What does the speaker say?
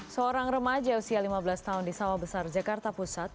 seorang remaja usia lima belas tahun di sawah besar jakarta pusat